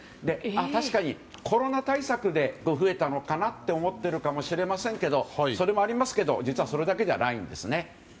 確かにコロナ対策で増えたのかなと思っているかもしれませんがそれもありますけど実はそれだけじゃないんですね。